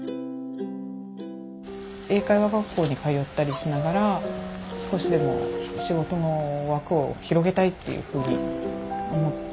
英会話学校に通ったりしながら少しでも仕事の枠を広げたいっていうふうに思って。